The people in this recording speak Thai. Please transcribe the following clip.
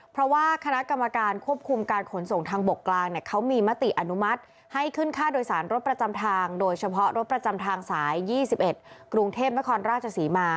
เพราะว่าคณะกรรมการควบคุมการขนส่งทางบกกลางเขามีมติอนุมัติ